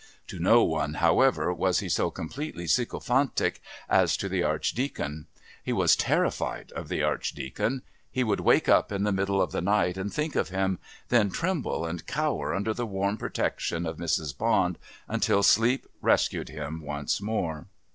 To no one, however, was he so completely sycophantic as to the Archdeacon. He was terrified of the Archdeacon; he would wake up in the middle of the night and think of him, then tremble and cower under the warm protection of Mrs. Bond until sleep rescued him once more.